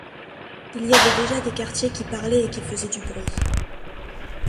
Il y avait déjà des quartiers qui parlaient et qui faisaient du bruit.